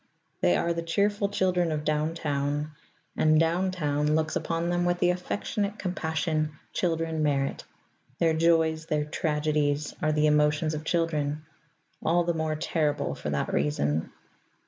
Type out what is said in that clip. They are the cheerful children of Down Town, and Down Town looks upon them with the affectionate compassion children merit. Their joys, their tragedies, are the emotions of children all the more terrible for that reason.